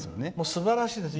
すばらしいですよ。